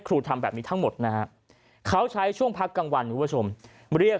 ครูทำแบบนี้ทั้งหมดนะเขาใช้ช่วงพักกลางวันว่าชมเรียก